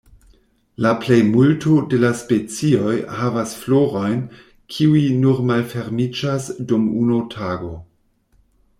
La plejmulto de la specioj havas florojn kiuj nur malfermiĝas dum unu tago.